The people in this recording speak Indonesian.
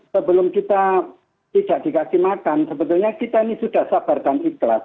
sebelum kita tidak dikasih makan sebetulnya kita ini sudah sabar dan ikhlas